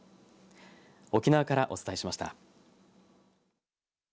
沖縄からお伝えしました。